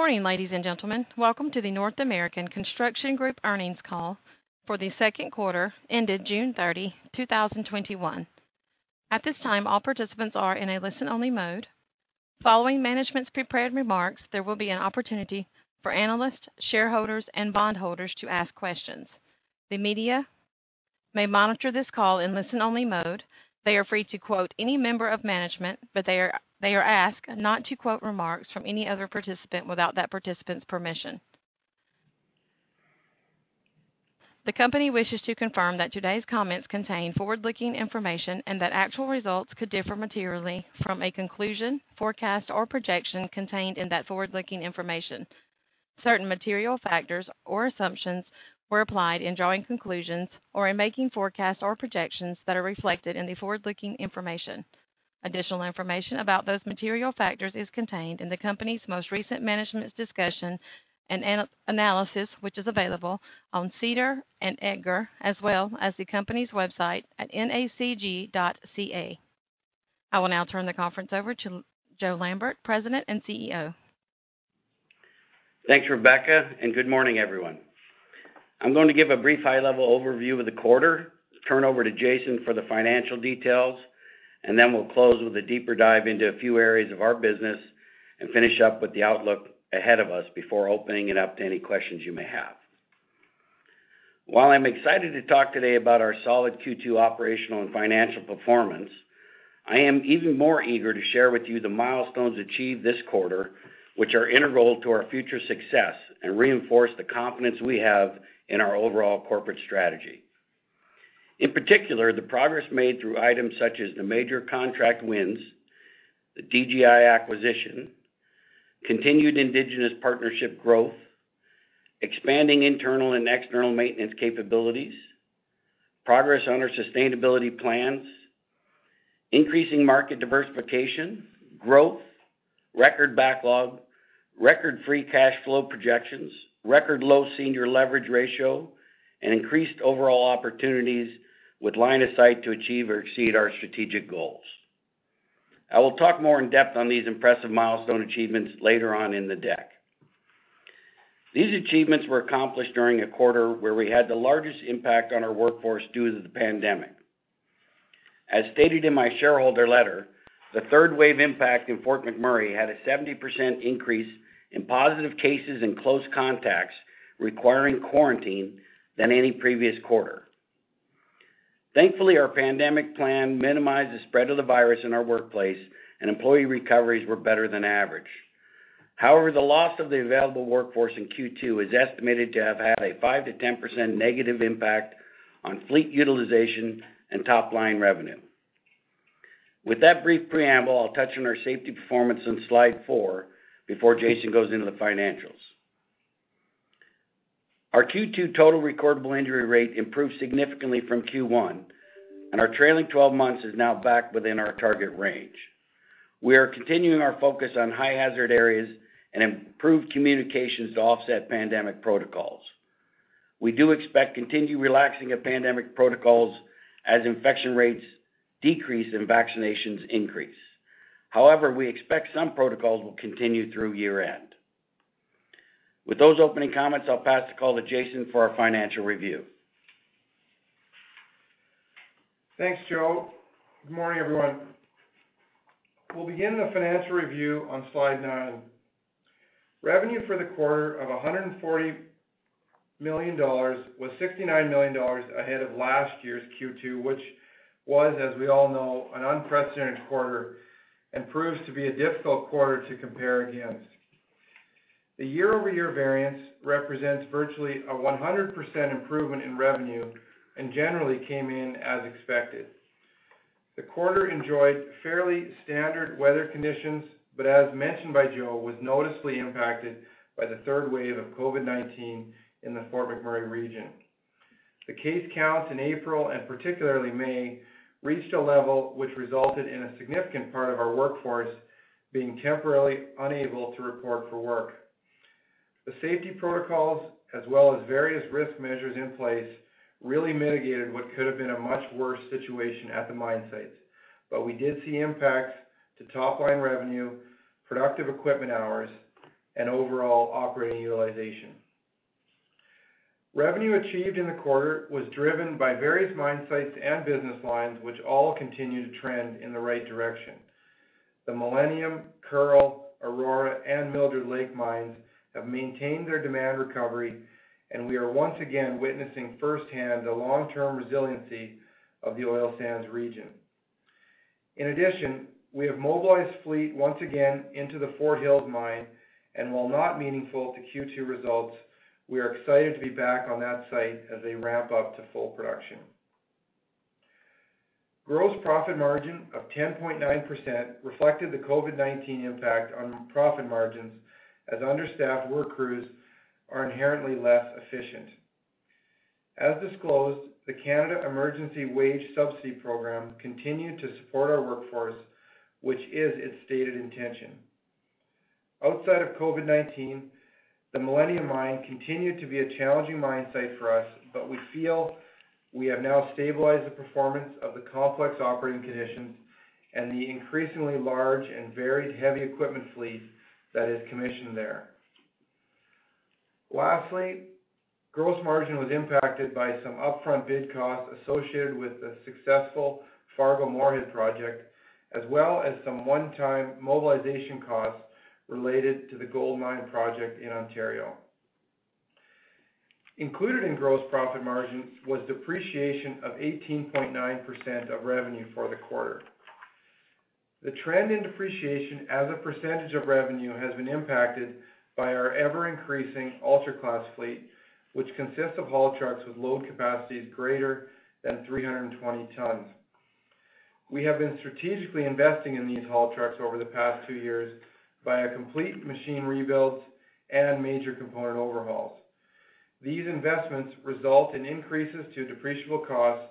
Morning, ladies and gentlemen. Welcome to the North American Construction Group Earnings Call for the Second Quarter Ended June 30, 2021. At this time, all participants are in a listen-only mode. Following management's prepared remarks, there will be an opportunity for analysts, shareholders, and bondholders to ask questions. The media may monitor this call in listen-only mode. They are free to quote any member of management, but they are asked not to quote remarks from any other participant without that participant's permission. The company wishes to confirm that today's comments contain forward-looking information and that actual results could differ materially from a conclusion, forecast, or projection contained in that forward-looking information. Certain material factors or assumptions were applied in drawing conclusions or in making forecasts or projections that are reflected in the forward-looking information. Additional information about those material factors is contained in the company's most recent management's discussion and analysis, which is available on SEDAR and EDGAR, as well as the company's website at nacg.ca. I will now turn the conference over to Joe Lambert, President and CEO. Thanks, Rebecca, and good morning, everyone. I'm going to give a brief high-level overview of the quarter, turn over to Jason for the financial details, and then we'll close with a deeper dive into a few areas of our business and finish up with the outlook ahead of us before opening it up to any questions you may have. While I'm excited to talk today about our solid Q2 operational and financial performance, I am even more eager to share with you the milestones achieved this quarter, which are integral to our future success and reinforce the confidence we have in our overall corporate strategy. In particular, the progress made through items such as the major contract wins, the DGI acquisition, continued Indigenous partnership growth, expanding internal and external maintenance capabilities, progress on our sustainability plans, increasing market diversification, growth, record backlog, record free cash flow projections, record low senior leverage ratio, and increased overall opportunities with line of sight to achieve or exceed our strategic goals. I will talk more in depth on these impressive milestone achievements later on in the deck. These achievements were accomplished during a quarter where we had the largest impact on our workforce due to the pandemic. As stated in my shareholder letter, the third wave impact in Fort McMurray had a 70% increase in positive cases and close contacts requiring quarantine than any previous quarter. Thankfully, our pandemic plan minimized the spread of the virus in our workplace, and employee recoveries were better than average. However, the loss of the available workforce in Q2 is estimated to have had a 5%-10% negative impact on fleet utilization and top-line revenue. With that brief preamble, I'll touch on our safety performance on slide four before Jason goes into the financials. Our Q2 Total Recordable Injury Rate improved significantly from Q1, and our trailing 12 months is now back within our target range. We are continuing our focus on high hazard areas and improved communications to offset pandemic protocols. We do expect continued relaxing of pandemic protocols as infection rates decrease and vaccinations increase. However, we expect some protocols will continue through year-end. With those opening comments, I'll pass the call to Jason for our financial review. Thanks, Joe. Good morning, everyone. We'll begin the financial review on slide 9. Revenue for the quarter of 140 million dollars was 69 million dollars ahead of last year's Q2, which was, as we all know, an unprecedented quarter and proves to be a difficult quarter to compare against. The year-over-year variance represents virtually a 100% improvement in revenue and generally came in as expected. The quarter enjoyed fairly standard weather conditions, but as mentioned by Joe, was noticeably impacted by the third wave of COVID-19 in the Fort McMurray region. The case counts in April, and particularly May, reached a level which resulted in a significant part of our workforce being temporarily unable to report for work. The safety protocols, as well as various risk measures in place, really mitigated what could have been a much worse situation at the mine sites, but we did see impacts to top-line revenue, productive equipment hours, and overall operating utilization. Revenue achieved in the quarter was driven by various mine sites and business lines, which all continue to trend in the right direction. The Millennium, Kearl, Aurora, and Mildred Lake mines have maintained their demand recovery, and we are once again witnessing firsthand the long-term resiliency of the oil sands region. In addition, we have mobilized fleet once again into the Fort Hills mine, and while not meaningful to Q2 results, we are excited to be back on that site as they ramp up to full production. Gross profit margin of 10.9% reflected the COVID-19 impact on profit margins, as understaffed work crews are inherently less efficient. As disclosed, the Canada Emergency Wage Subsidy program continued to support our workforce, which is its stated intention. Outside of COVID-19, the Millennium Mine continued to be a challenging mine site for us, but we feel we have now stabilized the performance of the complex operating conditions and the increasingly large and varied heavy equipment fleet that is commissioned there. Lastly, gross margin was impacted by some upfront bid costs associated with the successful Fargo-Moorhead project, as well as some one-time mobilization costs related to the Gold Mine project in Ontario. Included in gross profit margins was depreciation of 18.9% of revenue for the quarter. The trend in depreciation as a percentage of revenue has been impacted by our ever-increasing ultra-class fleet, which consists of haul trucks with load capacities greater than 320 tons. We have been strategically investing in these haul trucks over the past two years by a complete machine rebuild and major component overhauls. These investments result in increases to depreciable costs,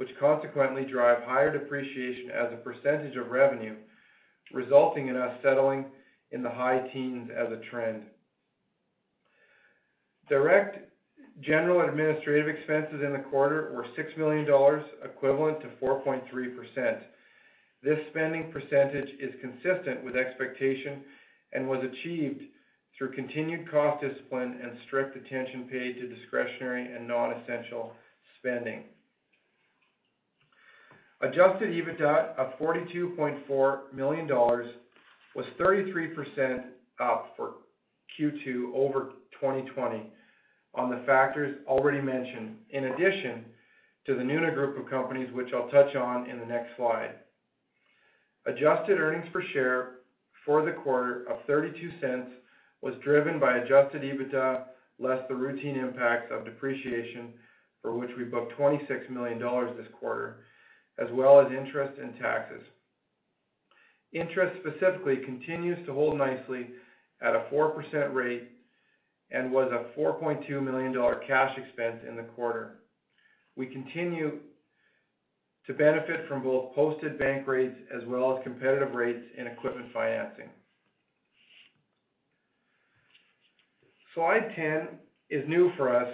which consequently drive higher depreciation as a percentage of revenue, resulting in us settling in the high teens as a trend. Direct general administrative expenses in the quarter were 6 million dollars, equivalent to 4.3%. This spending percentage is consistent with expectation and was achieved through continued cost discipline and strict attention paid to discretionary and non-essential spending. Adjusted EBITDA of 42.4 million dollars was 33% up for Q2 over 2020 on the factors already mentioned, in addition to the Nuna Group of Companies, which I'll touch on in the next slide. Adjusted earnings per share for the quarter of 0.32 was driven by Adjusted EBITDA, less the routine impacts of depreciation for which we booked 26 million dollars this quarter, as well as interest and taxes. Interest specifically continues to hold nicely at a 4% rate and was a 4.2 million dollar cash expense in the quarter. We continue to benefit from both posted bank rates as well as competitive rates in equipment financing. Slide 10 is new for us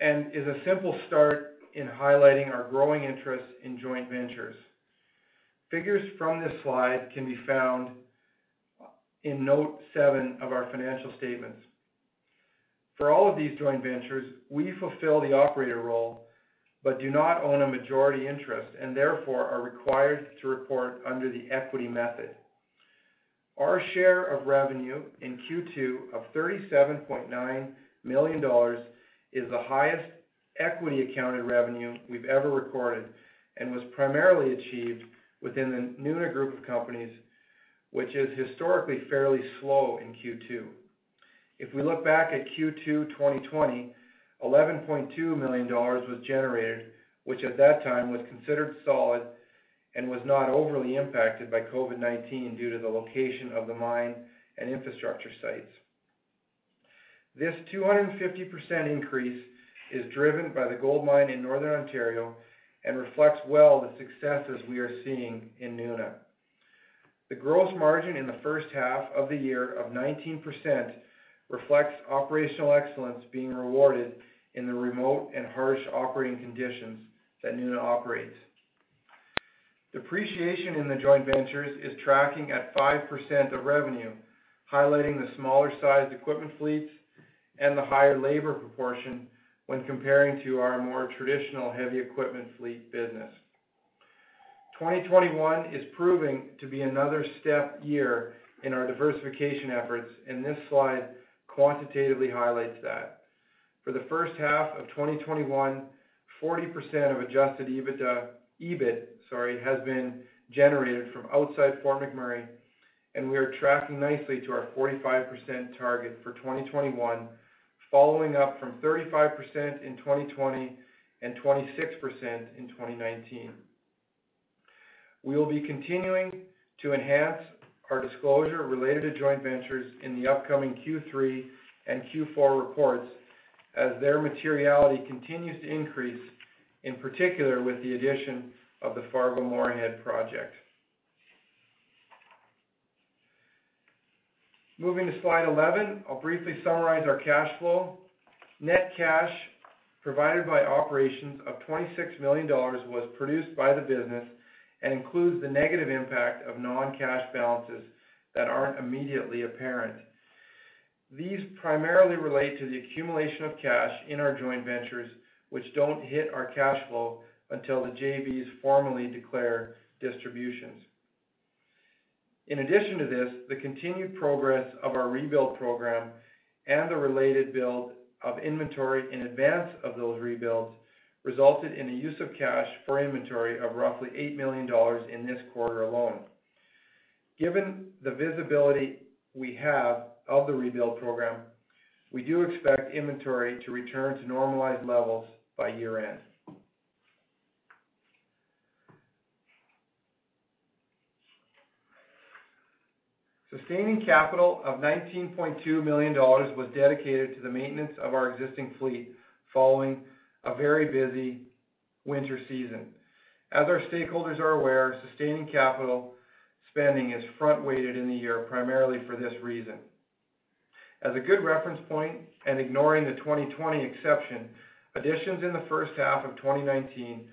and is a simple start in highlighting our growing interest in Joint Ventures. Figures from this slide can be found in note seven of our financial statements. For all of these Joint Ventures, we fulfill the operator role, but do not own a majority interest and therefore are required to report under the equity method. Our share of revenue in Q2 of 37.9 million dollars is the highest equity accounted revenue we've ever recorded and was primarily achieved within the Nuna Group of Companies, which is historically fairly slow in Q2. If we look back at Q2 2020, 11.2 million dollars was generated, which at that time was considered solid and was not overly impacted by COVID-19 due to the location of the mine and infrastructure sites. This 250% increase is driven by the Gold Mine in Northern Ontario and reflects well the successes we are seeing in Nuna. The gross margin in the first half of the year of 19% reflects operational excellence being rewarded in the remote and harsh operating conditions that Nuna operates. Depreciation in the Joint Ventures is tracking at 5% of revenue, highlighting the smaller sized equipment fleets and the higher labor proportion when comparing to our more traditional heavy equipment fleet business. 2021 is proving to be another step year in our diversification efforts, and this slide quantitatively highlights that. For the first half of 2021, 40% of Adjusted EBIT has been generated from outside Fort McMurray, and we are tracking nicely to our 45% target for 2021, following up from 35% in 2020 and 26% in 2019. We will be continuing to enhance our disclosure related to Joint Ventures in the upcoming Q3 and Q4 reports as their materiality continues to increase, in particular with the addition of the Fargo-Moorhead project. Moving to slide 11, I'll briefly summarize our cash flow. Net cash provided by operations of 26 million dollars was produced by the business and includes the negative impact of non-cash balances that aren't immediately apparent. These primarily relate to the accumulation of cash in our joint ventures, which don't hit our cash flow until the JVs formally declare distributions. In addition to this, the continued progress of our rebuild program and the related build of inventory in advance of those rebuilds resulted in a use of cash for inventory of roughly 8 million dollars in this quarter alone. Given the visibility we have of the rebuild program, we do expect inventory to return to normalized levels by year-end. Sustaining capital of 19.2 million dollars was dedicated to the maintenance of our existing fleet following a very busy winter season. As our stakeholders are aware, sustaining capital spending is front-weighted in the year primarily for this reason. As a good reference point and ignoring the 2020 exception, additions in the first half of 2019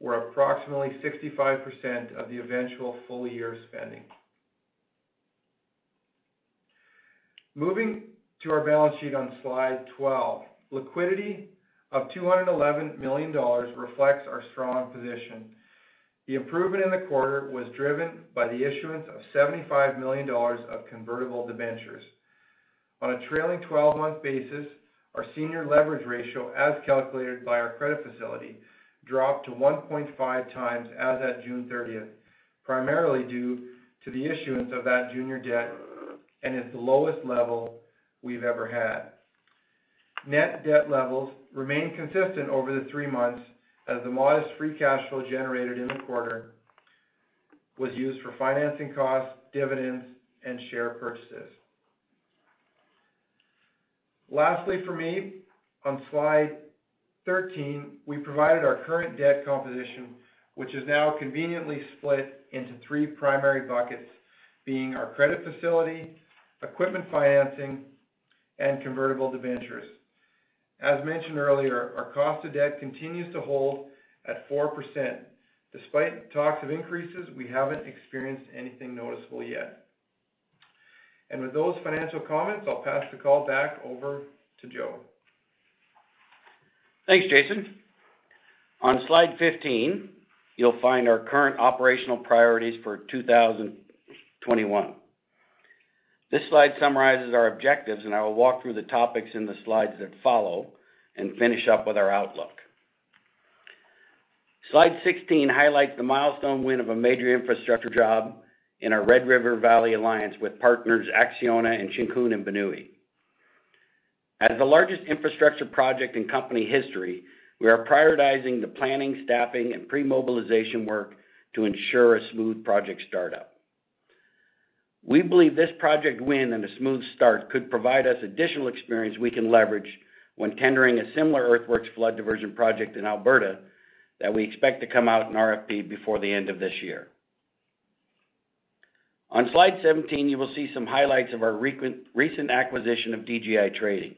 were approximately 65% of the eventual full year spending. Moving to our balance sheet on slide 12, liquidity of 211 million dollars reflects our strong position. The improvement in the quarter was driven by the issuance of 75 million dollars of convertible debentures. On a trailing 12-month basis, our senior leverage ratio, as calculated by our credit facility, dropped to 1.5x as at June 30th, primarily due to the issuance of that junior debt and is the lowest level we've ever had. Net debt levels remain consistent over the three months as the modest free cash flow generated in the quarter was used for financing costs, dividends, and share purchases. Lastly for me, on slide 13, we provided our current debt composition, which is now conveniently split into three primary buckets, being our credit facility, equipment financing, and convertible debentures. As mentioned earlier, our cost of debt continues to hold at 4%. Despite talks of increases, we haven't experienced anything noticeable yet. With those financial comments, I'll pass the call back over to Joe. Thanks, Jason. On slide 15, you'll find our current operational priorities for 2021. This slide summarizes our objectives, and I will walk through the topics in the slides that follow and finish up with our outlook. Slide 16 highlights the milestone win of a major infrastructure job in our Red River Valley Alliance with partners Acciona and Shikun & Binui. As the largest infrastructure project in company history, we are prioritizing the planning, staffing, and pre-mobilization work to ensure a smooth project startup. We believe this project win and a smooth start could provide us additional experience we can leverage when tendering a similar earthworks flood diversion project in Alberta that we expect to come out in request for proposal before the end of this year. On slide 17, you will see some highlights of our recent acquisition of DGI Trading.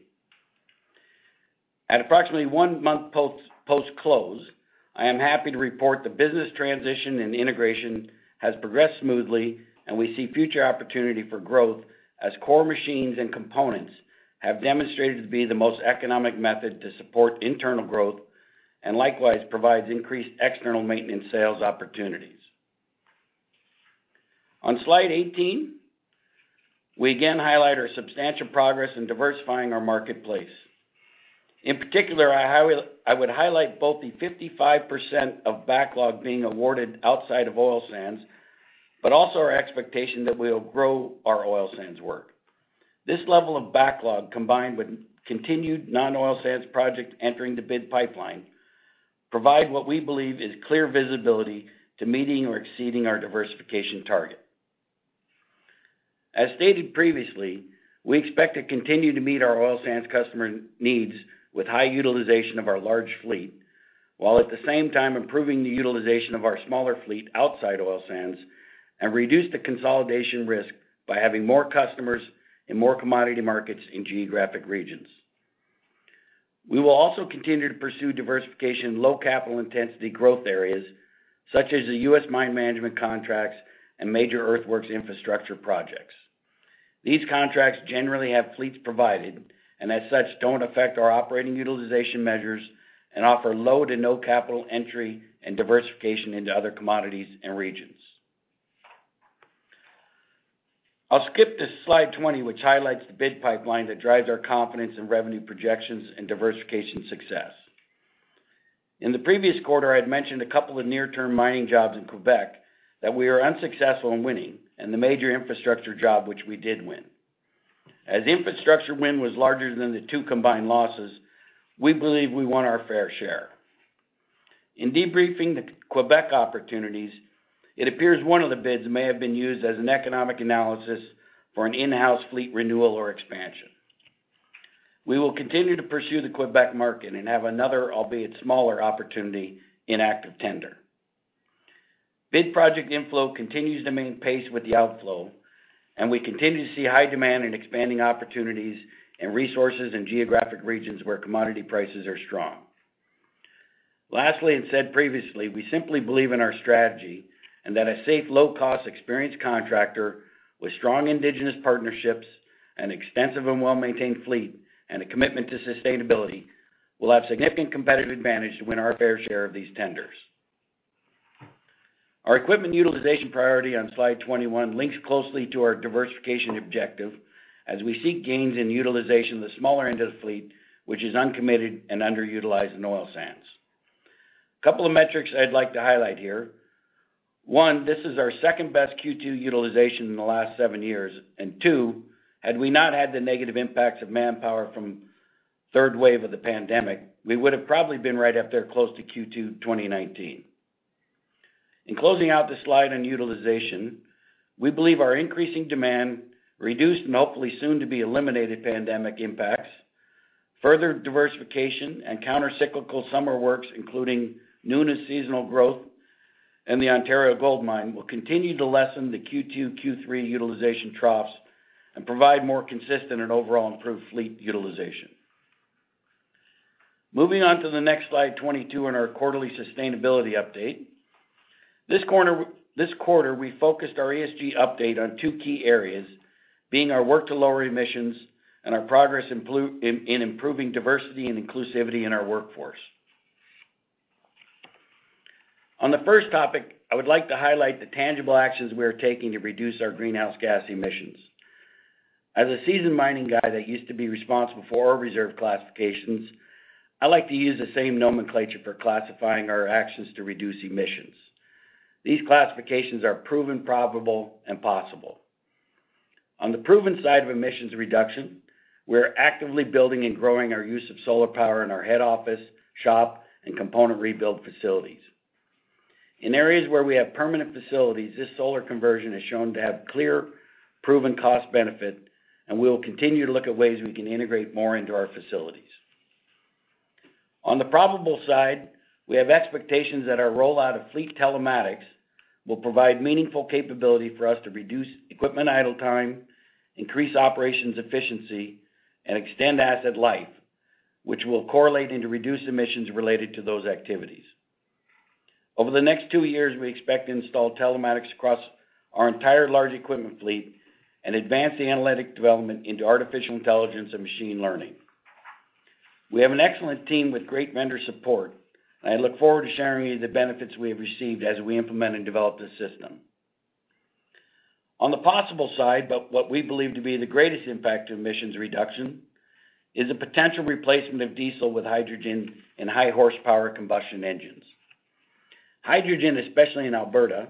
At approximately one month post-close, I am happy to report the business transition and integration has progressed smoothly, and we see future opportunity for growth as core machines and components have demonstrated to be the most economic method to support internal growth, and likewise, provides increased external maintenance sales opportunities. On slide 18, we again highlight our substantial progress in diversifying our marketplace. In particular, I would highlight both the 55% of backlog being awarded outside of oil sands, but also our expectation that we'll grow our oil sands work. This level of backlog, combined with continued non-oil sands projects entering the bid pipeline, provide what we believe is clear visibility to meeting or exceeding our diversification target. As stated previously, we expect to continue to meet our oil sands customer needs with high utilization of our large fleet, while at the same time improving the utilization of our smaller fleet outside oil sands and reduce the consolidation risk by having more customers in more commodity markets in geographic regions. We will also continue to pursue diversification in low capital intensity growth areas, such as the U.S. mine management contracts and major earthworks infrastructure projects. These contracts generally have fleets provided, and as such, don't affect our operating utilization measures and offer low to no capital entry and diversification into other commodities and regions. I'll skip to slide 20, which highlights the bid pipeline that drives our confidence in revenue projections and diversification success. In the previous quarter, I had mentioned a couple of near-term mining jobs in Quebec that we were unsuccessful in winning and the major infrastructure job which we did win. As the infrastructure win was larger than the two combined losses, we believe we won our fair share. In debriefing the Quebec opportunities, it appears one of the bids may have been used as an economic analysis for an in-house fleet renewal or expansion. We will continue to pursue the Quebec market and have another, albeit smaller, opportunity in active tender. Bid project inflow continues to maintain pace with the outflow, and we continue to see high demand and expanding opportunities and resources in geographic regions where commodity prices are strong. Lastly, and said previously, we simply believe in our strategy and that a safe, low cost, experienced contractor with strong Indigenous partnerships, an extensive and well-maintained fleet, and a commitment to sustainability will have significant competitive advantage to win our fair share of these tenders. Our equipment utilization priority on slide 21 links closely to our diversification objective as we seek gains in utilization of the smaller end of the fleet, which is uncommitted and underutilized in oil sands. A couple of metrics I'd like to highlight here. One, this is our second-best Q2 utilization in the last seven years, and two, had we not had the negative impacts of manpower from the third wave of the pandemic, we would have probably been right up there close to Q2 2019. In closing out the slide on utilization, we believe our increasing demand reduced and hopefully soon to be eliminated pandemic impacts, further diversification and counter-cyclical summer works, including new and seasonal growth in the Ontario gold mine, will continue to lessen the Q2, Q3 utilization troughs and provide more consistent and overall improved fleet utilization. Moving on to the next slide 22 in our quarterly sustainability update. This quarter, we focused our environmental, social, and governance update on two key areas, being our work to lower emissions and our progress in improving diversity and inclusivity in our workforce. On the first topic, I would like to highlight the tangible actions we are taking to reduce our greenhouse gas emissions. As a seasoned mining guy that used to be responsible for ore reserve classifications, I like to use the same nomenclature for classifying our actions to reduce emissions. These classifications are proven, probable, and possible. On the proven side of emissions reduction, we're actively building and growing our use of solar power in our head office, shop, and component rebuild facilities. In areas where we have permanent facilities, this solar conversion has shown to have clear proven cost benefit, and we will continue to look at ways we can integrate more into our facilities. On the probable side, we have expectations that our rollout of fleet telematics will provide meaningful capability for us to reduce equipment idle time, increase operations efficiency, and extend asset life, which will correlate into reduced emissions related to those activities. Over the next two years, we expect to install telematics across our entire large equipment fleet and advance the analytic development into artificial intelligence and machine learning. We have an excellent team with great vendor support. I look forward to sharing with you the benefits we have received as we implement and develop this system. On the possible side, but what we believe to be the greatest impact to emissions reduction, is a potential replacement of diesel with hydrogen and high horsepower combustion engines. Hydrogen, especially in Alberta,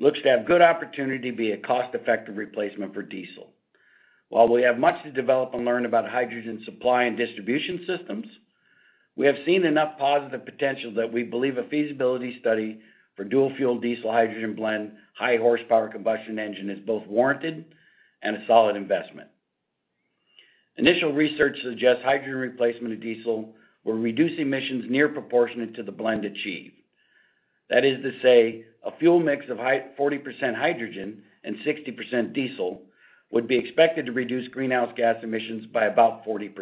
looks to have good opportunity to be a cost-effective replacement for diesel. While we have much to develop and learn about hydrogen supply and distribution systems, we have seen enough positive potential that we believe a feasibility study for dual fuel diesel hydrogen blend high horsepower combustion engine is both warranted and a solid investment. Initial research suggests hydrogen replacement of diesel will reduce emissions near proportionate to the blend achieved. That is to say, a fuel mix of 40% hydrogen and 60% diesel would be expected to reduce greenhouse gas emissions by about 40%.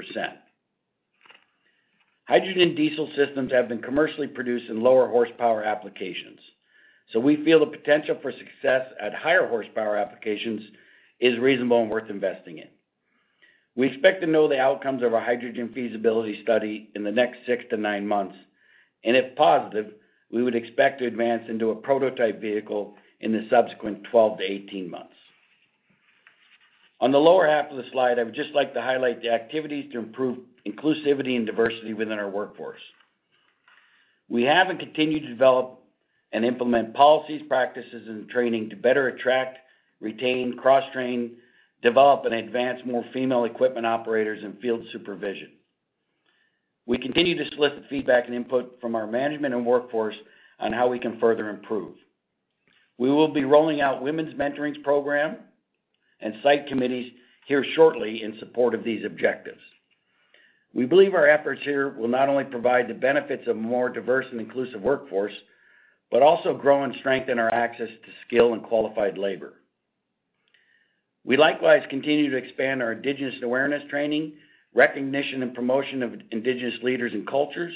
Hydrogen diesel systems have been commercially produced in lower horsepower applications. We feel the potential for success at higher horsepower applications is reasonable and worth investing in. We expect to know the outcomes of our hydrogen feasibility study in the next six to nine months, and if positive, we would expect to advance into a prototype vehicle in the subsequent 12-18 months. On the lower half of the slide, I would just like to highlight the activities to improve inclusivity and diversity within our workforce. We have and continue to develop and implement policies, practices, and training to better attract, retain, cross-train, develop, and advance more female equipment operators and field supervision. We continue to solicit feedback and input from our management and workforce on how we can further improve. We will be rolling out women's mentoring program and site committees here shortly in support of these objectives. We believe our efforts here will not only provide the benefits of more diverse and inclusive workforce, but also grow and strengthen our access to skill and qualified labor. We likewise continue to expand our Indigenous awareness training, recognition, and promotion of Indigenous leaders and cultures,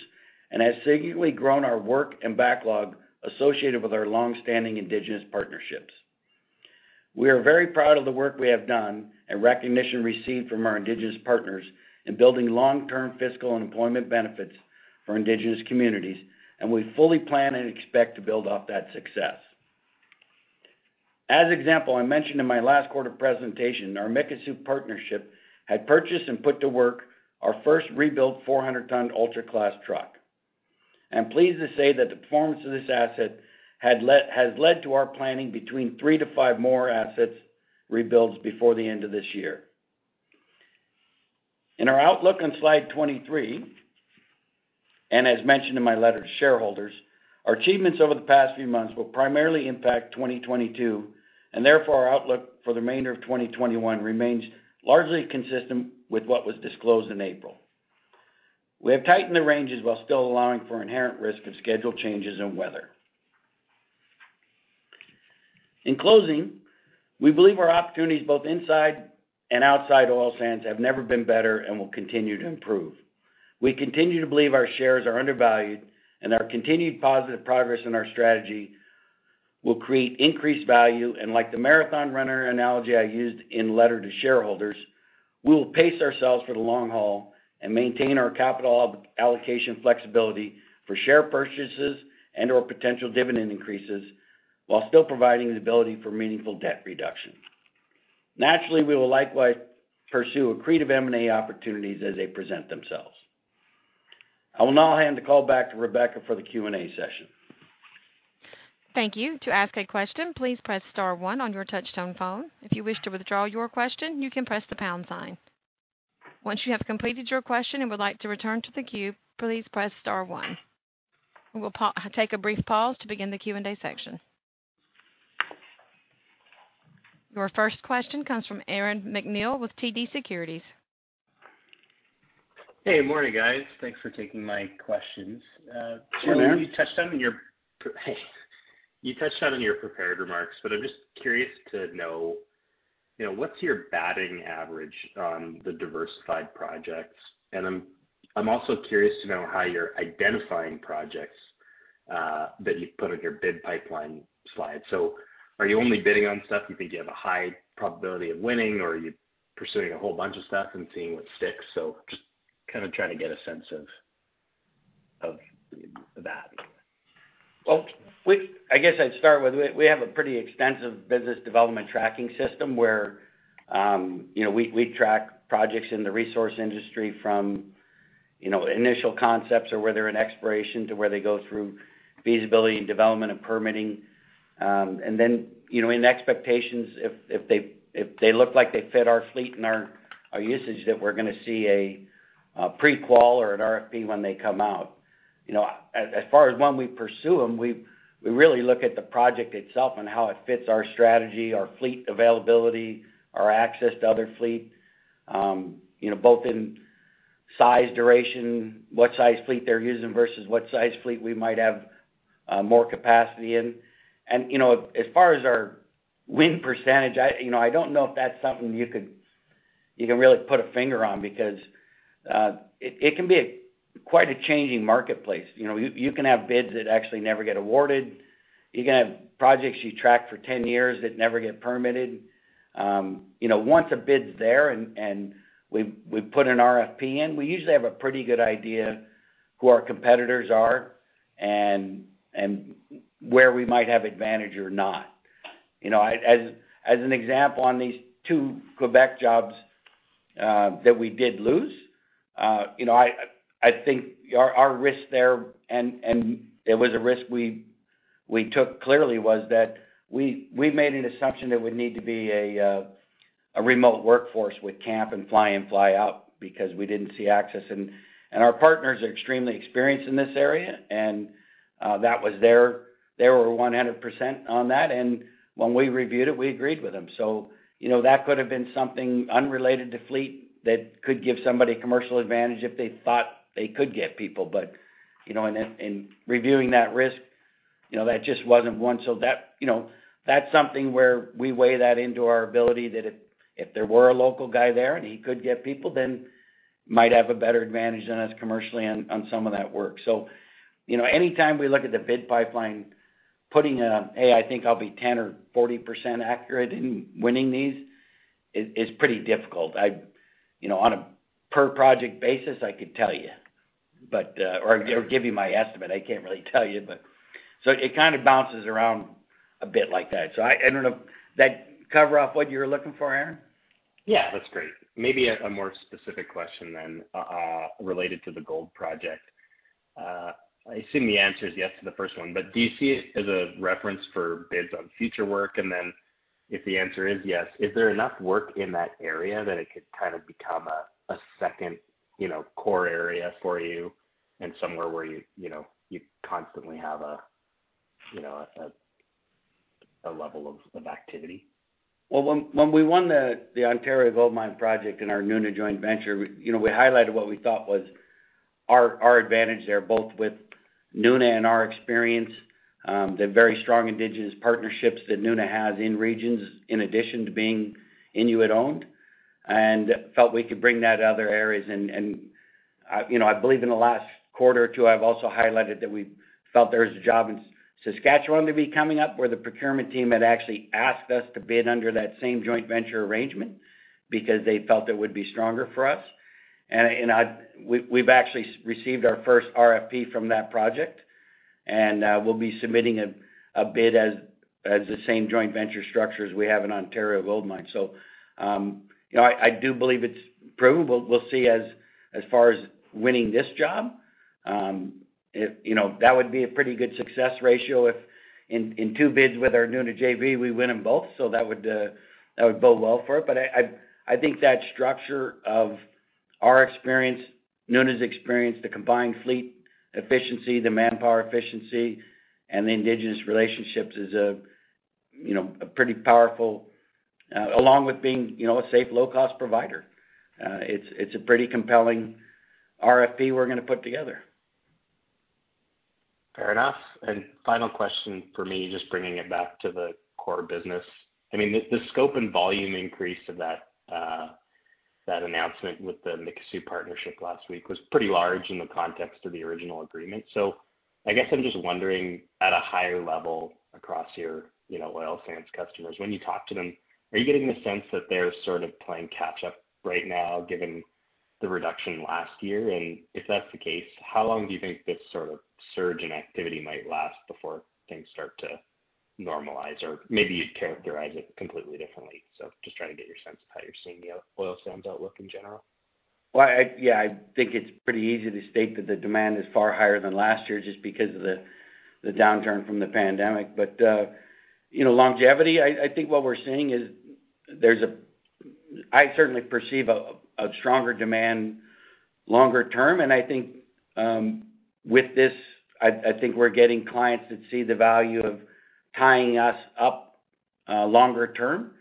and have significantly grown our work and backlog associated with our longstanding Indigenous partnerships. We are very proud of the work we have done and recognition received from our Indigenous partners in building long-term fiscal and employment benefits for Indigenous communities, and we fully plan and expect to build off that success. As example, I mentioned in my last quarter presentation, our Mikisew partnership had purchased and put to work our first rebuilt 400-ton ultra-class truck. I'm pleased to say that the performance of this asset has led to our planning between three to five more assets rebuilds before the end of this year. In our outlook on slide 23, and as mentioned in my letter to shareholders, our achievements over the past few months will primarily impact 2022, and therefore, our outlook for the remainder of 2021 remains largely consistent with what was disclosed in April. We have tightened the ranges while still allowing for inherent risk of schedule changes and weather. In closing, we believe our opportunities both inside and outside oil sands have never been better and will continue to improve. We continue to believe our shares are undervalued. Our continued positive progress in our strategy will create increased value. Like the marathon runner analogy I used in letter to shareholders, we will pace ourselves for the long haul and maintain our capital allocation flexibility for share purchases and/or potential dividend increases while still providing the ability for meaningful debt reduction. Naturally, we will likewise pursue accretive mergers and acquisitions opportunities as they present themselves. I will now hand the call back to Rebecca for the Q&A session. Thank you. To ask a question, please press star one on your touchtone phone. If you wish to withdraw your question, you can press the pound sign. Once you have completed your question and would like to return to the queue, please press star one. We will take a brief pause to begin the Q&A section. Your first question comes from Aaron MacNeil with TD Securities. Hey, good morning, guys. Thanks for taking my questions. Hey, Aaron. You touched on it in your prepared remarks, I'm just curious to know what's your batting average on the diversified projects? I'm also curious to know how you're identifying projects that you've put on your bid pipeline slide. Are you only bidding on stuff you think you have a high probability of winning, or are you pursuing a whole bunch of stuff and seeing what sticks? Just kind of trying to get a sense of that. Well, I guess I'd start with, we have a pretty extensive business development tracking system where we track projects in the resource industry from initial concepts or whether in exploration to where they go through feasibility and development and permitting. In expectations, if they look like they fit our fleet and our usage, that we're going to see a pre-qualification or an RFP when they come out. As far as when we pursue them, we really look at the project itself and how it fits our strategy, our fleet availability, our access to other fleet, both in size, duration, what size fleet they're using versus what size fleet we might have more capacity in. As far as our win percentage, I don't know if that's something you can really put a finger on because it can be quite a changing marketplace. You can have bids that actually never get awarded. You can have projects you track for 10 years that never get permitted. Once a bid's there and we put an RFP in, we usually have a pretty good idea who our competitors are and where we might have advantage or not. As an example, on these two Quebec jobs that we did lose, I think our risk there, and it was a risk we took clearly, was that we made an assumption that it would need to be a remote workforce with camp and fly in, fly out because we didn't see access. Our partners are extremely experienced in this area, and they were 100% on that. When we reviewed it, we agreed with them. That could have been something unrelated to fleet that could give somebody commercial advantage if they thought they could get people. In reviewing that risk, that just wasn't one. That's something where we weigh that into our ability, that if there were a local guy there and he could get people, then might have a better advantage than us commercially on some of that work. Anytime we look at the bid pipeline, putting a, "Hey, I think I'll be 10% or 40% accurate in winning these," is pretty difficult. On a per project basis, I could tell you. Or give you my estimate. I can't really tell you. It kind of bounces around a bit like that. I don't know. That cover off what you're looking for, Aaron? Yeah. That's great. Maybe a more specific question related to the Gold Project. I assume the answer is yes to the first one, do you see it as a reference for bids on future work? If the answer is yes, is there enough work in that area that it could kind of become a second core area for you and somewhere where you constantly have a level of activity? Well, when we won the Ontario Gold Mine project in our Nuna Joint Venture, we highlighted what we thought was our advantage there, both with Nuna and our experience, the very strong Indigenous partnerships that Nuna has in regions in addition to being Inuit owned, and felt we could bring that to other areas. I believe in the last quarter or two, I've also highlighted that we felt there was a job in Saskatchewan to be coming up where the procurement team had actually asked us to bid under that same Joint Venture arrangement because they felt it would be stronger for us. We've actually received our first RFP from that project, and we'll be submitting a bid as the same Joint Venture structure as we have in Ontario Gold Mine. I do believe it's proven. We'll see as far as winning this job. That would be a pretty good success ratio if in two bids with our Nuna JV, we win them both. That would bode well for it. I think that structure of our experience, Nuna's experience, the combined fleet efficiency, the manpower efficiency, and the indigenous relationships is a pretty powerful, along with being a safe, low-cost provider. It's a pretty compelling RFP we're going to put together. Fair enough. Final question from me, just bringing it back to the core business. I mean, the scope and volume increase of that announcement with the Mikisew partnership last week was pretty large in the context of the original agreement. I guess I'm just wondering at a higher level across your oil sands customers, when you talk to them, are you getting the sense that they're sort of playing catch up right now given the reduction last year? If that's the case, how long do you think this sort of surge in activity might last before things start to normalize? Or maybe you'd characterize it completely differently. Just trying to get your sense of how you're seeing the oil sands outlook in general. Well, yeah, I think it's pretty easy to state that the demand is far higher than last year just because of the downturn from the pandemic. Longevity, I think what we're seeing is I certainly perceive a stronger demand longer term, and I think with this, I think we're getting clients that see the value of tying us up longer term.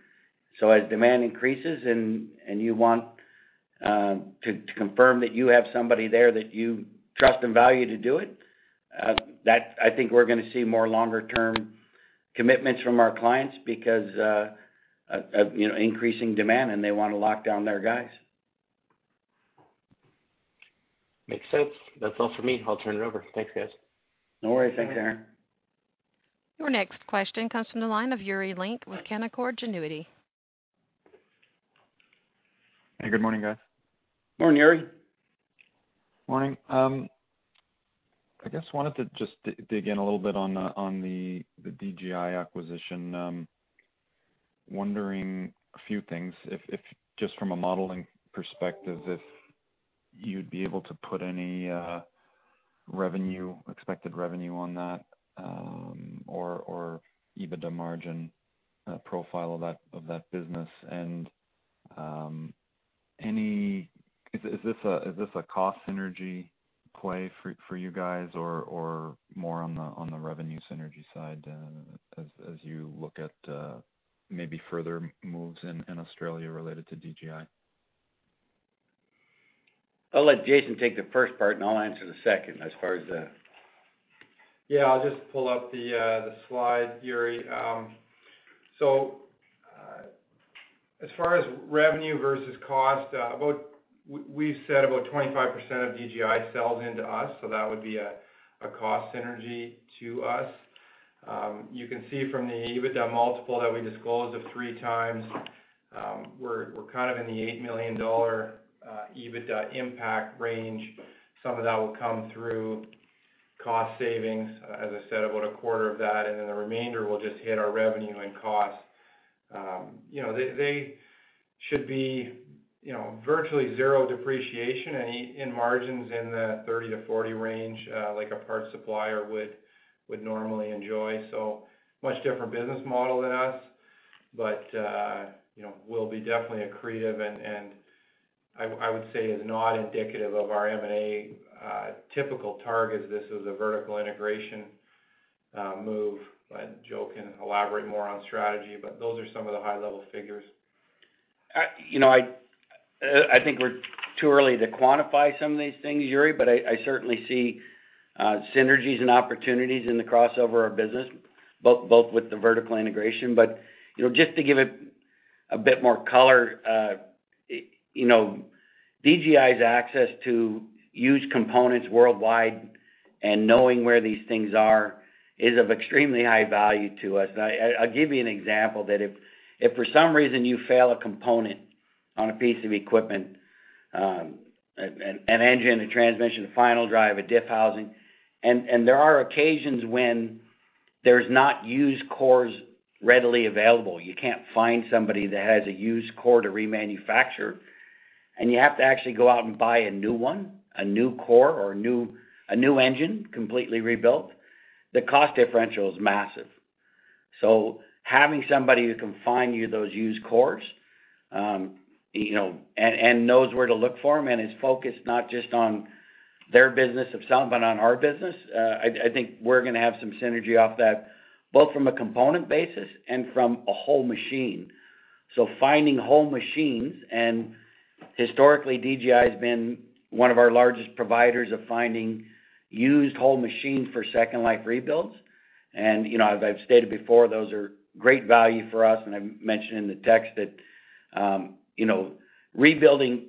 As demand increases and you want to confirm that you have somebody there that you trust and value to do it, I think we're going to see more longer-term commitments from our clients because of increasing demand, and they want to lock down their guys. Makes sense. That's all for me. I'll turn it over. Thanks, guys. No worries. Thanks, Aaron. Your next question comes from the line of Yuri Lynk with Canaccord Genuity. Hey, good morning, guys. Morning, Yuri. Morning. I guess wanted to just dig in a little bit on the DGI acquisition. Wondering a few things, if just from a modeling perspective, if you'd be able to put any expected revenue on that or EBITDA margin profile of that business. Is this a cost synergy play for you guys or more on the revenue synergy side as you look at maybe further moves in Australia related to DGI? I'll let Jason take the first part and I'll answer the second as far as the... Yeah, I'll just pull up the slide, Yuri. As far as revenue versus cost, we've said about 25% of DGI sells into us, so that would be a cost synergy to us. You can see from the EBITDA multiple that we disclosed of 3x, we're kind of in the 8 million dollar EBITDA impact range. Some of that will come through cost savings, as I said, about a quarter of that, and then the remainder will just hit our revenue and cost. They should be virtually zero depreciation and margins in the 30%-40% range, like a parts supplier would normally enjoy. Much different business model than us, but will be definitely accretive and I would say is not indicative of our M&A typical targets. This is a vertical integration move, and Joe can elaborate more on strategy, but those are some of the high level figures. I think we're too early to quantify some of these things, Yuri. I certainly see synergies and opportunities in the crossover of business, both with the vertical integration. Just to give it a bit more color, DGI's access to used components worldwide and knowing where these things are is of extremely high value to us. I'll give you an example that if for some reason you fail a component on a piece of equipment, an engine, a transmission, a final drive, a diff housing, and there are occasions when there's not used cores readily available. You can't find somebody that has a used core to remanufacture, and you have to actually go out and buy a new one, a new core or a new engine, completely rebuilt. The cost differential is massive. Having somebody who can find you those used cores, and knows where to look for them, and is focused not just on their business of selling, but on our business, I think we're going to have some synergy off that, both from a component basis and from a whole machine. Finding whole machines, and historically, DGI has been one of our largest providers of finding used whole machines for second life rebuilds. As I've stated before, those are great value for us, and I mentioned in the text that rebuilding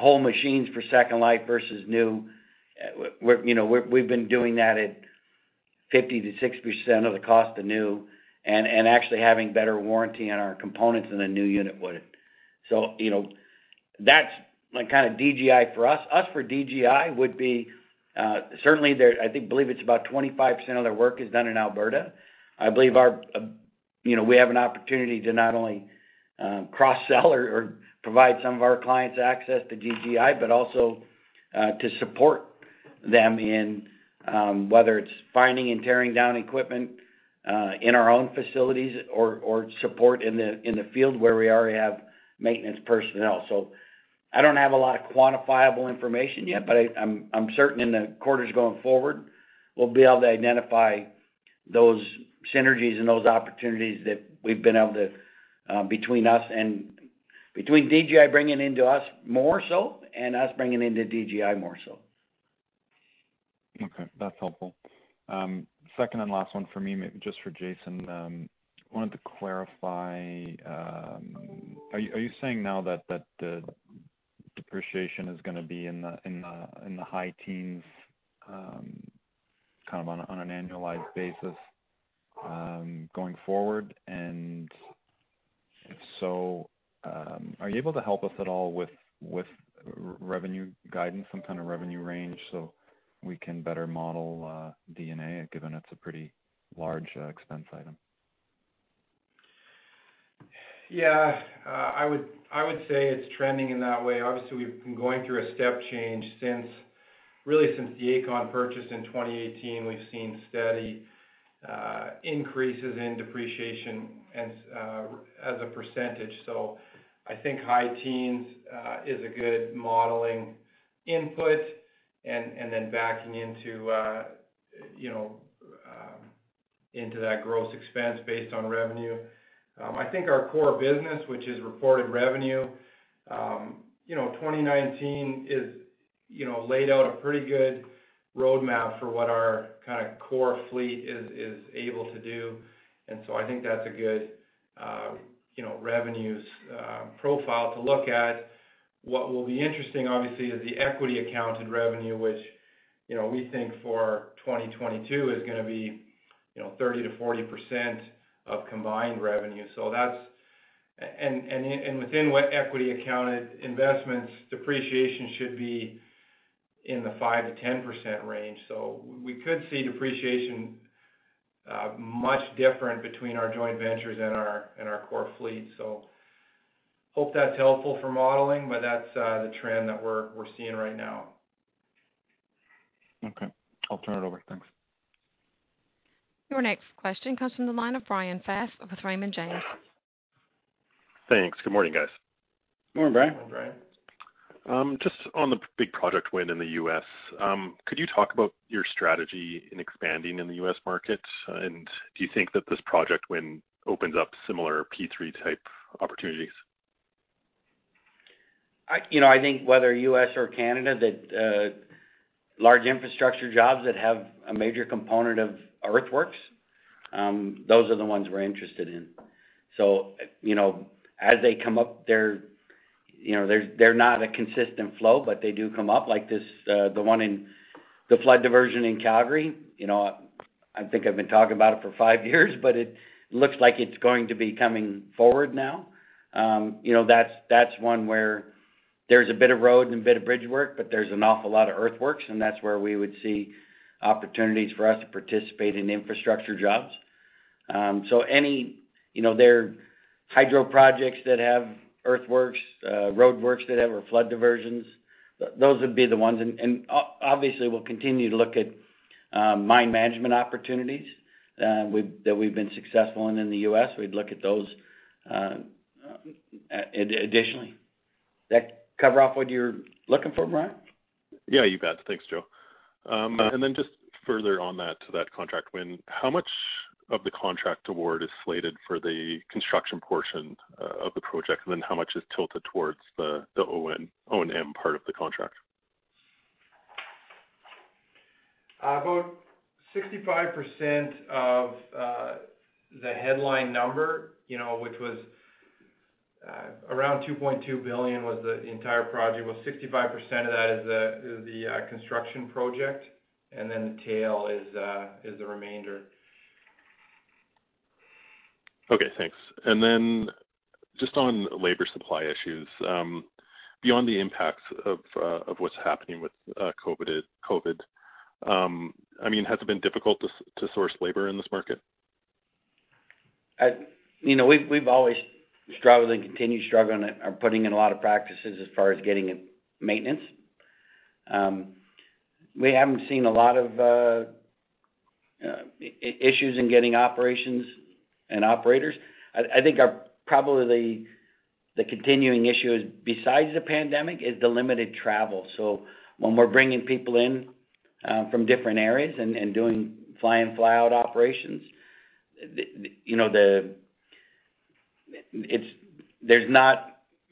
whole machines for second life versus new, we've been doing that at 50%-60% of the cost of new and actually having better warranty on our components than a new unit would. That's kind of DGI for us. Us for DGI would be, certainly I believe it's about 25% of their work is done in Alberta. I believe we have an opportunity to not only cross-sell or provide some of our clients access to DGI, but also to support them in whether it's finding and tearing down equipment in our own facilities or support in the field where we already have maintenance personnel. I don't have a lot of quantifiable information yet, but I'm certain in the quarters going forward, we'll be able to identify those synergies and those opportunities that we've been able to, between DGI bringing into us more so and us bringing into DGI more so. Okay. That's helpful. Second and last one for me, just for Jason. Wanted to clarify, are you saying now that the depreciation is going to be in the high teens on an annualized basis going forward? If so, are you able to help us at all with revenue guidance, some kind of revenue range so we can better model D&A, given it's a pretty large expense item? Yeah. I would say it's trending in that way. Obviously, we've been going through a step change since, really since the Aecon purchase in 2018, we've seen steady increases in depreciation as a percentage. I think high teens is a good modeling input and then backing into that gross expense based on revenue. I think our core business, which is reported revenue, 2019 laid out a pretty good roadmap for what our core fleet is able to do. I think that's a good revenues profile to look at. What will be interesting, obviously, is the equity accounted revenue, which we think for 2022 is going to be 30%-40% of combined revenue. Within what equity accounted investments, depreciation should be in the 5%-10% range. We could see depreciation much different between our Joint Ventures and our core fleet. I hope that's helpful for modeling. That's the trend that we're seeing right now. Okay. I'll turn it over. Thanks. Your next question comes from the line of Bryan Fast with Raymond James. Thanks. Good morning, guys. Morning, Bryan. Morning, Bryan. Just on the big project win in the U.S., could you talk about your strategy in expanding in the U.S. market? Do you think that this project win opens up similar P3-type opportunities? I think whether U.S. or Canada, that large infrastructure jobs that have a major component of earthworks, those are the ones we're interested in. As they come up, they're not a consistent flow, but they do come up like the flood diversion in Calgary. I think I've been talking about it for five years, but it looks like it's going to be coming forward now. That's one where there's a bit of road and a bit of bridge work, but there's an awful lot of earthworks, and that's where we would see opportunities for us to participate in infrastructure jobs. There are hydro projects that have earthworks, roadworks that have flood diversions. Those would be the ones. Obviously, we'll continue to look at mine management opportunities that we've been successful in in the U.S. We'd look at those additionally. That cover off what you're looking for, Bryan? Yeah, you bet. Thanks, Joe. Just further on that contract win, how much of the contract award is slated for the construction portion of the project, and then how much is tilted towards the O&M part of the contract? About 65% of the headline number, which was around 2.2 billion, was the entire project. Well, 65% of that is the construction project, and then the tail is the remainder. Okay, thanks. Just on labor supply issues, beyond the impacts of what's happening with COVID, has it been difficult to source labor in this market? We've always struggled and continue struggling and are putting in a lot of practices as far as getting maintenance. We haven't seen a lot of issues in getting operations and operators. I think probably the continuing issue, besides the pandemic, is the limited travel. When we're bringing people in from different areas and doing fly-in, fly-out operations, there's not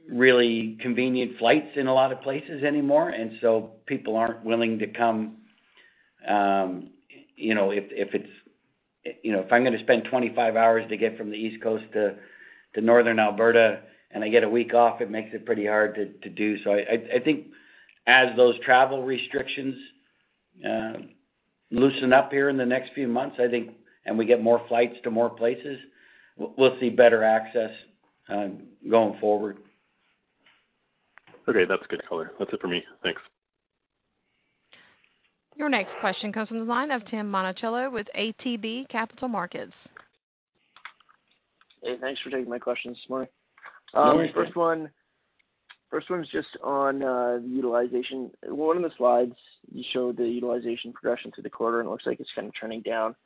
really convenient flights in a lot of places anymore, and so people aren't willing to come. If I'm going to spend 25 hours to get from the East Coast to Northern Alberta and I get a week off, it makes it pretty hard to do so. I think as those travel restrictions loosen up here in the next few months, and we get more flights to more places, we'll see better access going forward. Okay, that's good color. That's it for me. Thanks. Your next question comes from the line of Tim Monachello with ATB Capital Markets. Hey, thanks for taking my questions this morning. Yeah. First one's just on the utilization. One of the slides, you showed the utilization progression through the quarter, and it looks like it's kind of trending down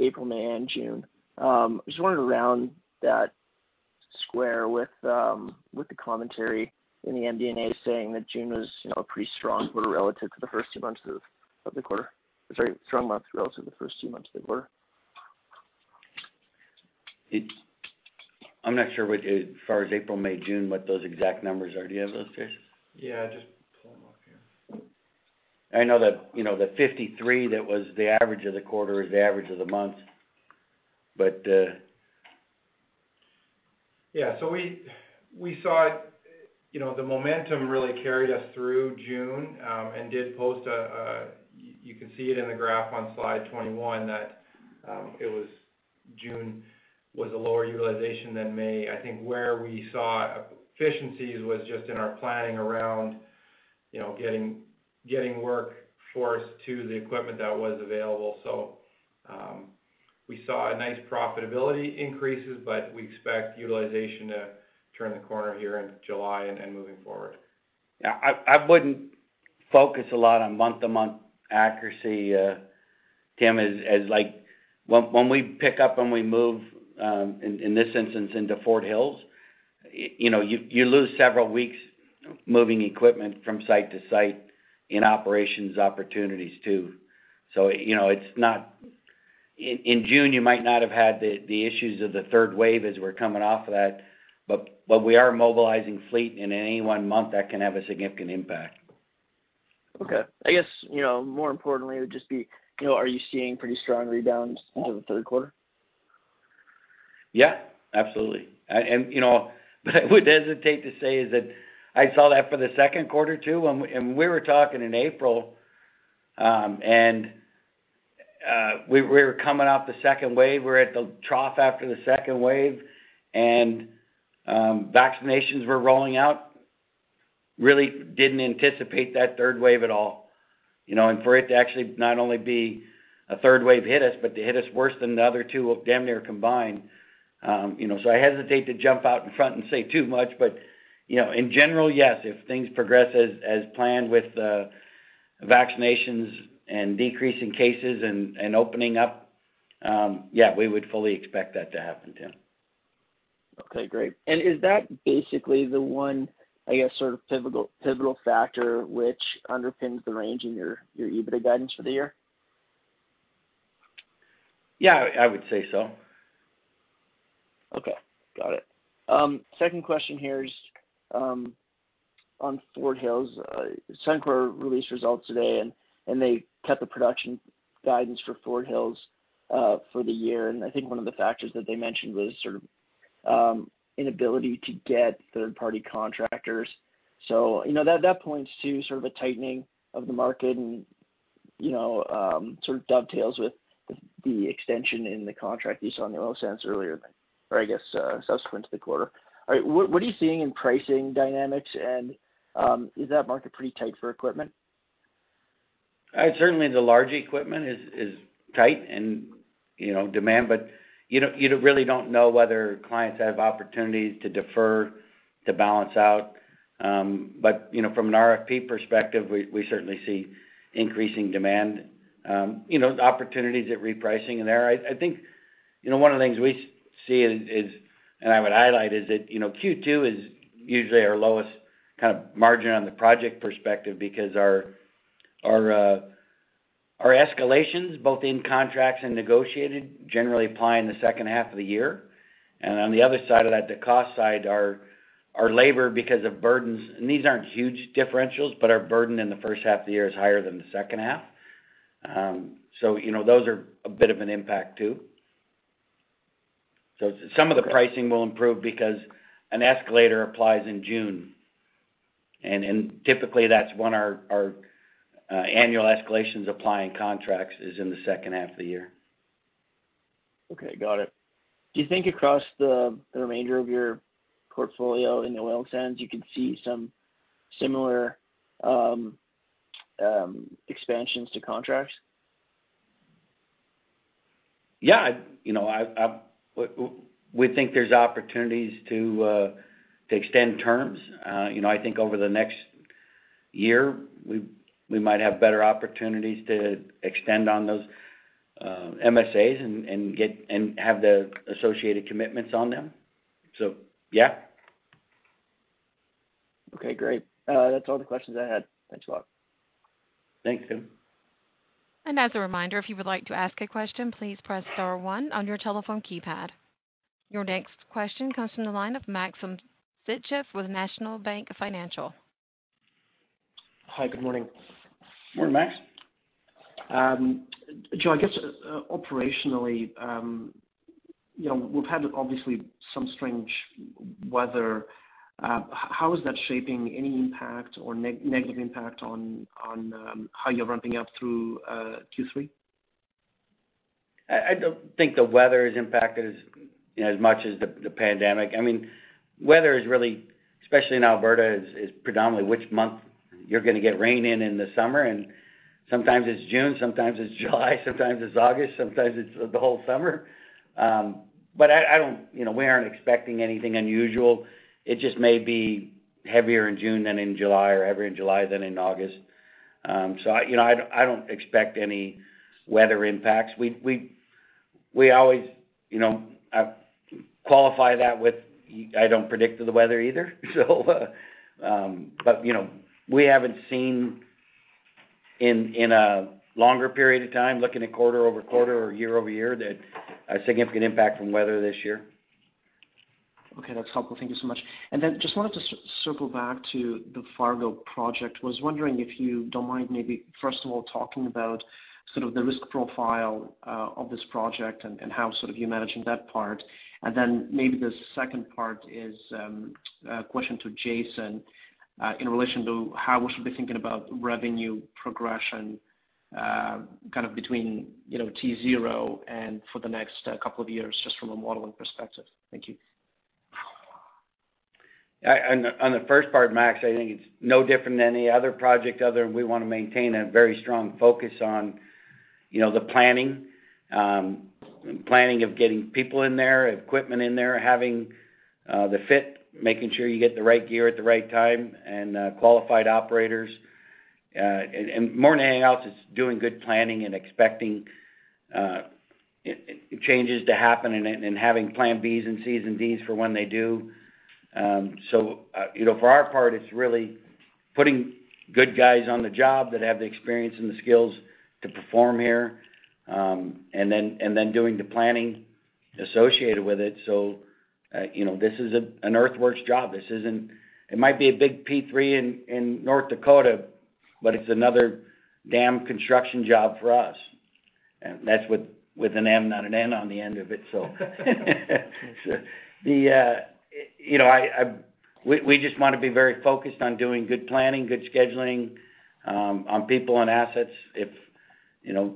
April, May, and June. Just wanted to round that square with the commentary in the MD&A saying that June was pretty strong quarter relative to the first two months of the quarter. Sorry, strong month relative to the first two months of the quarter. I'm not sure as far as April, May, June, what those exact numbers are. Do you have those, Jason? Yeah. I know that the 53 that was the average of the quarter is the average of the month. Yeah. We saw the momentum really carried us through June, and you can see it in the graph on slide 21, that June was a lower utilization than May. I think where we saw efficiencies was just in our planning around getting workforce to the equipment that was available. We saw a nice profitability increases, but we expect utilization to turn the corner here in July and moving forward. I wouldn't focus a lot on month-to-month accuracy, Tim. When we pick up and we move, in this instance, into Fort Hills, you lose several weeks moving equipment from site to site in operations opportunities, too. In June, you might not have had the issues of the third wave as we're coming off of that, but we are mobilizing fleet in any one month that can have a significant impact. Okay. I guess, more importantly, it would just be, are you seeing pretty strong rebounds into the third quarter? Yeah, absolutely. What I would hesitate to say is that I saw that for the second quarter, too. When we were talking in April, and we were coming off the second wave, we're at the trough after the second wave, and vaccinations were rolling out. Really didn't anticipate that third wave at all. For it to actually not only be a third wave hit us, but to hit us worse than the other two of them near combined. I hesitate to jump out in front and say too much, but, in general, yes. If things progress as planned with vaccinations and decrease in cases and opening up, yeah, we would fully expect that to happen, Tim. Okay, great. Is that basically the one pivotal factor which underpins the range in your EBITDA guidance for the year? Yeah, I would say so. Okay. Got it. Second question here is on Fort Hills. Suncor released results today. They cut the production guidance for Fort Hills for the year. I think one of the factors that they mentioned was inability to get third-party contractors. That points to a tightening of the market and dovetails with the extension in the contract you saw in the oil sands earlier, or I guess subsequent to the quarter. What are you seeing in pricing dynamics, and is that market pretty tight for equipment? Certainly, the large equipment is tight in demand, but you really don't know whether clients have opportunities to defer to balance out. From an RFP perspective, we certainly see increasing demand. Opportunities at repricing in there. I think one of the things we see is, and I would highlight, is that Q2 is usually our lowest kind of margin on the project perspective because our escalations, both in contracts and negotiated, generally apply in the second half of the year. On the other side of that, the cost side, our labor, because of burdens, and these aren't huge differentials, but our burden in the first half of the year is higher than the second half. Those are a bit of an impact, too. Some of the pricing will improve because an escalator applies in June, and typically, that's when our annual escalations apply in contracts is in the second half of the year. Okay, got it. Do you think across the remainder of your portfolio in oil sands, you can see some similar expansions to contracts? Yeah. We think there's opportunities to extend terms. I think over the next year, we might have better opportunities to extend on those master services agreements and have the associated commitments on them. Yeah. Okay, great. That's all the questions I had. Thanks a lot. Thanks, Tim. As a reminder, if you would like to ask a question, please press star one on your telephone keypad. Your next question comes from the line of Maxim Sytchev with National Bank Financial. Hi, good morning. Morning, Maxim. Joe, I guess operationally, we've had obviously some strange weather. How is that shaping any impact or negative impact on how you're ramping up through Q3? I don't think the weather has impacted as much as the pandemic. Weather is really, especially in Alberta, is predominantly which month you're going to get rain in in the summer. Sometimes it's June, sometimes it's July, sometimes it's August, sometimes it's the whole summer. We aren't expecting anything unusual. It just may be heavier in June than in July or heavier in July than in August. I don't expect any weather impacts. We always qualify that with, I don't predict the weather either. We haven't seen in a longer period of time, looking at quarter-over-quarter or year-over-year, that a significant impact from weather this year. Okay, that's helpful. Thank you so much. Just wanted to circle back to the Fargo project. Was wondering if you don't mind maybe first of all talking about sort of the risk profile of this project and how sort of you're managing that part. Maybe the second part is a question to Jason, in relation to how we should be thinking about revenue progression, kind of between T-zero and for the next couple of years, just from a modeling perspective. Thank you. On the first part, Maxim, I think it's no different than any other project, other than we want to maintain a very strong focus on the planning. Planning of getting people in there, equipment in there, having the fit, making sure you get the right gear at the right time, and qualified operators. More than anything else, it's doing good planning and expecting changes to happen and having plan Bs and Cs and Ds for when they do. For our part, it's really putting good guys on the job that have the experience and the skills to perform here. Then doing the planning associated with it. This is an earthworks job. It might be a big P3 in North Dakota, but it's another dam construction job for us. That's with an M, not an N on the end of it. We just want to be very focused on doing good planning, good scheduling on people, on assets.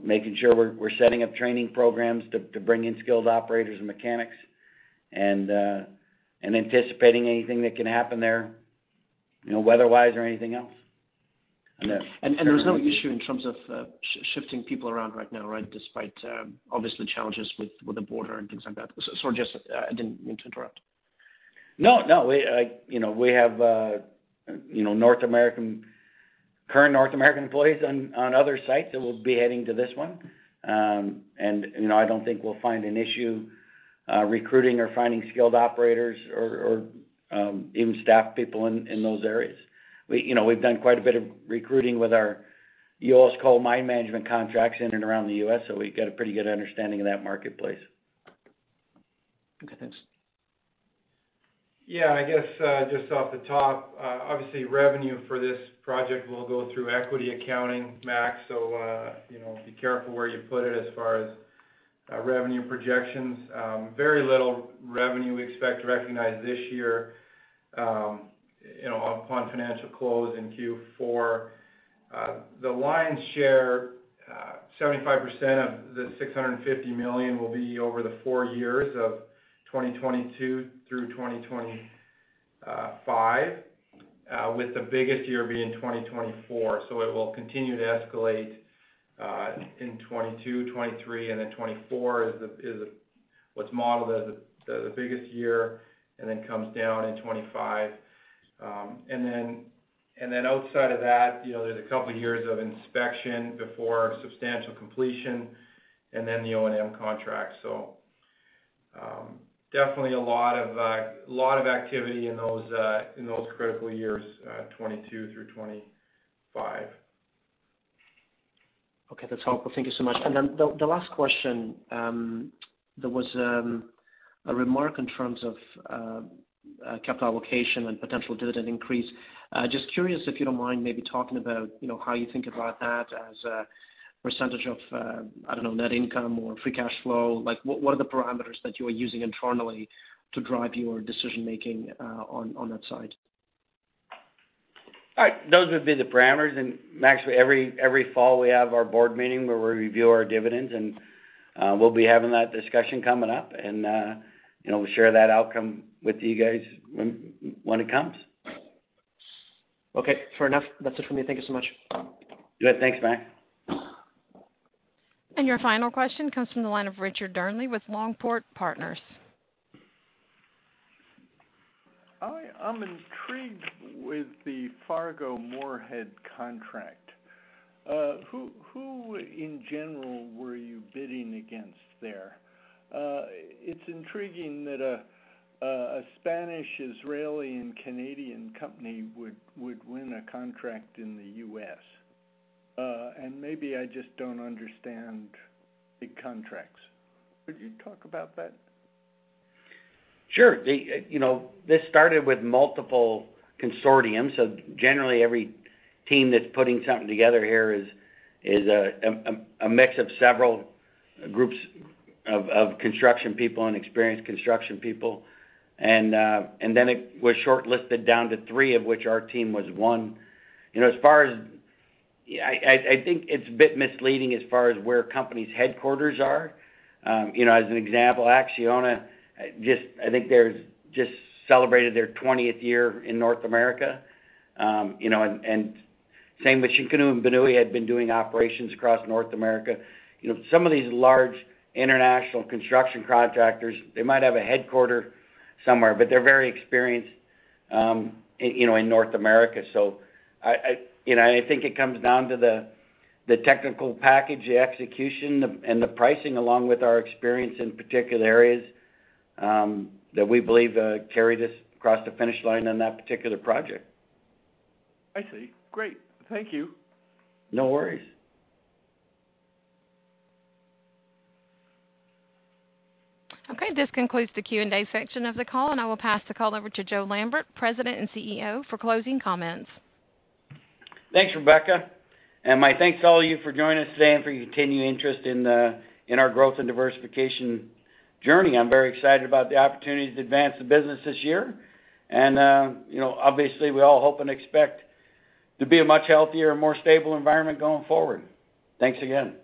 Making sure we're setting up training programs to bring in skilled operators and mechanics, and anticipating anything that can happen there, weather-wise or anything else. There's no issue in terms of shifting people around right now, right? Despite, obviously, challenges with the border and things like that. Sorry, I didn't mean to interrupt. No. We have current North American employees on other sites that will be heading to this one. I don't think we'll find an issue recruiting or finding skilled operators or even staff people in those areas. We've done quite a bit of recruiting with our, you always call them mine management contracts, in and around the U.S., so we've got a pretty good understanding of that marketplace. Yeah, I guess, just off the top, obviously revenue for this project will go through equity accounting, Maxim. Be careful where you put it as far as revenue projections. Very little revenue we expect to recognize this year upon financial close in Q4. The lion's share, 75% of the 650 million, will be over the four years of 2022 through 2025, with the biggest year being 2024. It will continue to escalate in 2022, 2023, and then 2024 is what's modeled as the biggest year, and then comes down in 2025. Outside of that, there's a couple of years of inspection before substantial completion, and then the O&M contract. Definitely a lot of activity in those critical years, 2022 through 2025. Okay. That is helpful. Thank you so much. Then the last question. There was a remark in terms of capital allocation and potential dividend increase. Just curious, if you do not mind maybe talking about how you think about that as a percentage of, I do not know, net income or free cash flow. What are the parameters that you are using internally to drive your decision-making on that side? All right. Those would be the parameters. Maxim, every fall we have our board meeting where we review our dividends, and we'll be having that discussion coming up and we'll share that outcome with you guys when it comes. Okay, fair enough. That's it for me. Thank you so much. Good. Thanks, Maxim. Your final question comes from the line of Richard Darnley with Longport Partners. Hi. I'm intrigued with the Fargo-Moorhead contract. Who, in general, were you bidding against there? It's intriguing that a Spanish, Israeli, and Canadian company would win a contract in the U.S. Maybe I just don't understand big contracts. Could you talk about that? Sure. This started with multiple consortiums, so generally every team that's putting something together here is a mix of several groups of construction people and experienced construction people. Then it was shortlisted down to three, of which our team was one. I think it's a bit misleading as far as where companies' headquarters are. As an example, Acciona, I think they just celebrated their 20th year in North America. Same with Shikun & Binui had been doing operations across North America. Some of these large international construction contractors, they might have a headquarter somewhere, but they're very experienced in North America. I think it comes down to the technical package, the execution, and the pricing along with our experience in particular areas, that we believe carried us across the finish line on that particular project. I see. Great. Thank you. No worries. Okay, this concludes the Q&A section of the call, and I will pass the call over to Joe Lambert, President and CEO, for closing comments. Thanks, Rebecca. My thanks to all of you for joining us today and for your continued interest in our growth and diversification journey. I'm very excited about the opportunity to advance the business this year. Obviously, we all hope and expect to be a much healthier and more stable environment going forward. Thanks again.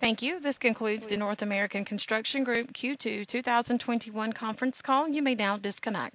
Thank you. This concludes the North American Construction Group Q2 2021 conference call. You may now disconnect.